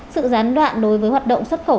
sự gián đoạn đối với hoạt động xuất khẩu